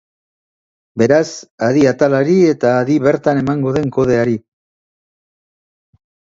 Beraz, adi atalari eta adi bertan emango den kodeari!